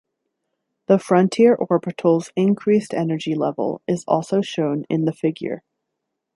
The frontier orbital's increased energy level is also shown in the figure.